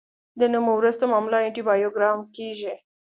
د نمو وروسته معمولا انټي بایوګرام کیږي.